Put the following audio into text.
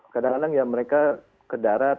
kadang kadang ya mereka ke darat